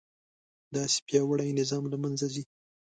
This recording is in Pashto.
داسې پیاوړی نظام له منځه ځي.